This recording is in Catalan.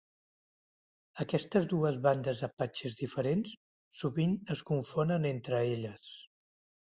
Aquestes dues bandes apatxes diferents sovint es confonen entre elles.